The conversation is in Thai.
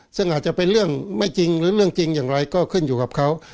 ซึ่งอาจจะเป็นเรื่องไม่จริงหรือเรื่องจริงอย่างไรก็ขึ้นอยู่กับเขา